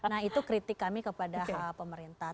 nah itu kritik kami kepada pemerintah